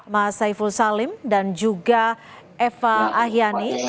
mas saiful salim dan juga eva ahyani